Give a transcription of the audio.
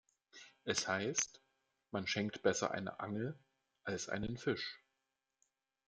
Es heißt, man schenkt besser eine Angel als einen Fisch.